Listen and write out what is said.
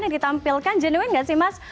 yang ditampilkan jenuin nggak sih mas